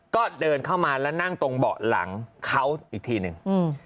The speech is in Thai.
ก็เดินเข้ามาแล้วนั่งตรงเบาะหลังเขาอีกทีหนึ่ง